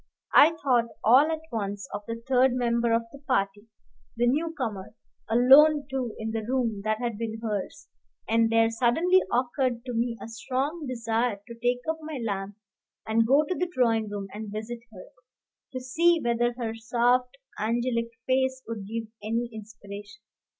I thought all at once of the third member of the party, the new comer, alone too in the room that had been hers; and there suddenly occurred to me a strong desire to take up my lamp and go to the drawing room and visit her, to see whether her soft, angelic face would give any inspiration.